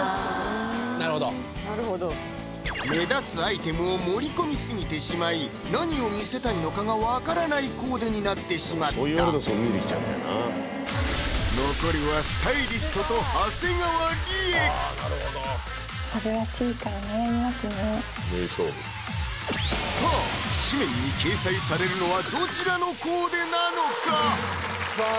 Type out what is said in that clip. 目立つアイテムを盛り込みすぎてしまい何を見せたいのかが分からないコーデになってしまった残るはさあ誌面に掲載されるのはどちらのコーデなのか⁉さあ